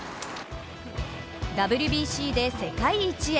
ＷＢＣで世界一へ。